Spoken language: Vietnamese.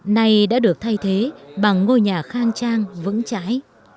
nay đã được thay thế bằng ngôi nhà khang trang vững trái